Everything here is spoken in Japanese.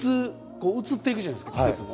移っていくじゃないですか季節も。